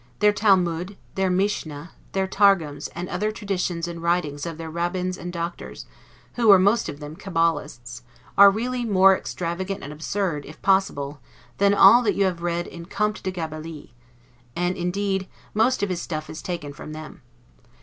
Their Talmud, their Mischna, their Targums, and other traditions and writings of their Rabbins and Doctors, who were most of them Cabalists, are really more extravagant and absurd, if possible, than all that you have read in Comte de Gabalis; and indeed most of his stuff is taken from them.